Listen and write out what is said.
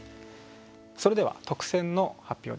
それでは特選の発表です。